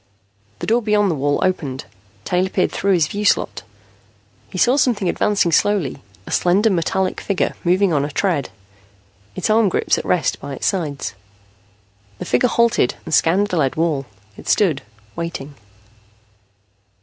The door beyond the wall opened. Taylor peered through his view slot. He saw something advancing slowly, a slender metallic figure moving on a tread, its arm grips at rest by its sides. The figure halted and scanned the lead wall. It stood, waiting.